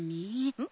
うん？